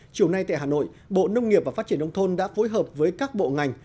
chiều nay tại hà nội bộ nông nghiệp và phát triển nông thôn đã phối hợp với các bộ ngành